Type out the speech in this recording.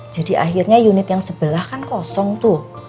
jadi akhirnya unit yang sebelah kan kosong tuh